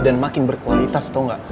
dan makin berkualitas tau ga